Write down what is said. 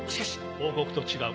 報告と違う。